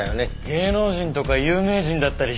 芸能人とか有名人だったりして。